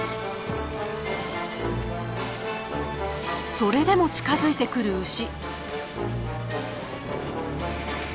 それでも近づいてくる牛。